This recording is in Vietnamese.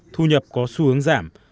thu nhập có xu hướng giảm